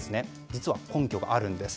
実は根拠があるんです。